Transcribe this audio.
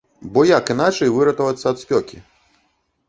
Бо як іначай выратавацца ад спёкі?